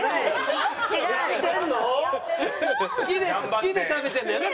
好きで食べてるんだよね？